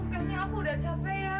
kayaknya aku udah capek ya